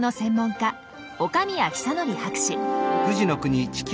岡宮久規博士。